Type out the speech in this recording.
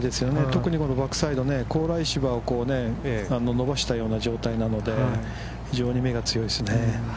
特に、このバックサイド、高麗芝を伸ばしたような状態なので、非常に芽が強いですね。